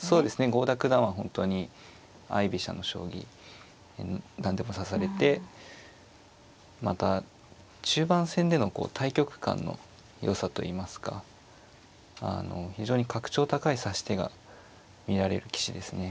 郷田九段は本当に相居飛車の将棋何でも指されてまた中盤戦での大局観のよさといいますか非常に格調高い指し手が見られる棋士ですね。